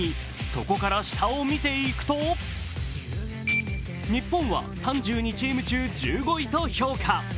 そこから下を見ていくと日本は３２チーム中１５位と評価。